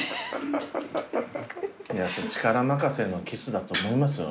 いや力任せのキスだと思いますよ